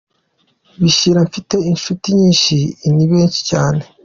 Bishira: Mfite inshuti nyinshi, ni benshi cyane.